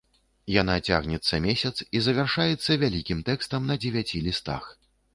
Яна цягнецца месяц і завяршаецца вялікім тэкстам на дзевяці лістах.